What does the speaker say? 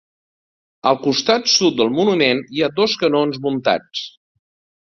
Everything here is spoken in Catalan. Al costat sud del monument hi ha dos canons muntats.